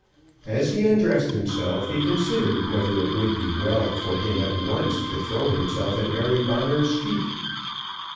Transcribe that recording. As he undressed himself he considered whether it would be well for him at once to throw himself at Mary Bonner's feet.